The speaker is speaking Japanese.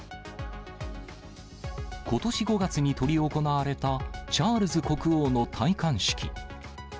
ことし５月に執り行われたチャールズ国王の戴冠式。